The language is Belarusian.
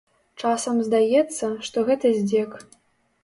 Часам здаецца, што гэта здзек.